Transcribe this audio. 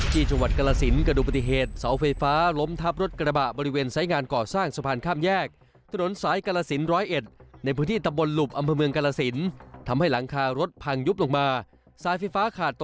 จังหวัดกรสินเกิดดูปฏิเหตุเสาไฟฟ้าล้มทับรถกระบะบริเวณไซส์งานก่อสร้างสะพานข้ามแยก